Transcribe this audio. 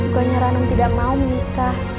bukannya ranum tidak mau nikah